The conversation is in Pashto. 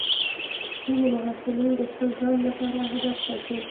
ځینې محصلین د خپل ځان لپاره اهداف ټاکي.